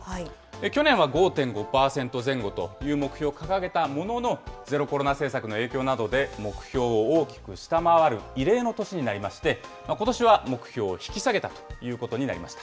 去年は５．５％前後という目標を掲げたものの、ゼロコロナ政策の影響などで、目標を大きく下回る異例の年になりまして、ことしは目標を引き下げたということになりました。